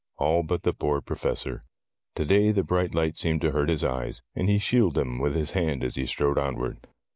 All but the poor Professor. To day the bright light seemed to hurt his eyes, and he shielded them with his hand as he strode onward.